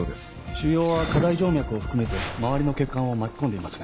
腫瘍は下大静脈を含めて周りの血管を巻き込んでいます。